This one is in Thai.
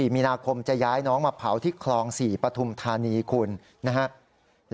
มีนาคมจะย้ายน้องมาเผาที่คลอง๔ปฐุมธานีคุณนะครับ